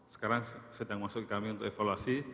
sekarang sedang masuk ke kami untuk evaluasi